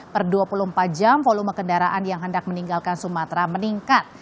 per dua puluh empat jam volume kendaraan yang hendak meninggalkan sumatera meningkat